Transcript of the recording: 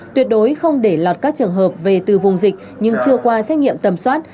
tuyệt đối không để lọt các trường hợp về từ vùng dịch nhưng chưa qua xét nghiệm tầm soát